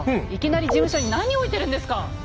いきなり事務所に何置いてるんですか！